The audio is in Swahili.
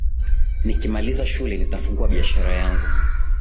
Nikimaliza shule nitafungua biashara yangu